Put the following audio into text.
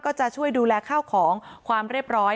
จะช่วยดูแลข้าวของความเรียบร้อย